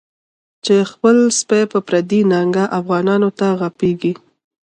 چی خپل سپی په پردی ننگه، افغانانوته غپیږی